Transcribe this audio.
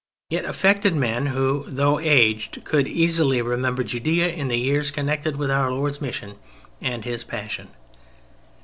It affected men who, though aged, could easily remember Judea in the years connected with Our Lord's mission and His Passion.